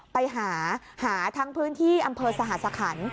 ไปหาหาทั้งพื้นที่อำเภอสหสคัน